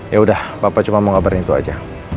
yaudah papa cuma mau ngabarin itu aja